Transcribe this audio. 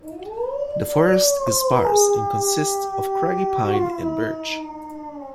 The forest is sparse and consists of craggy pine and birch.